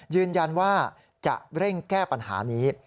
ยืนยันว่าจะเร่งแก้ปัญหานี้